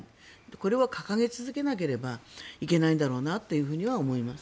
これは掲げ続けなければいけないんだろうなと思います。